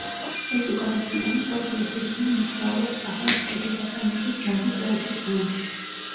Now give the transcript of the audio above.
ეს უკანასკნელი მსოფლიოს ირგვლივ მოგზაურობს სახელმწიფო დეპარტამენტის ჯაზის ელჩის რანგში.